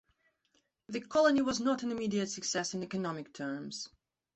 The colony was not an immediate success in economic terms.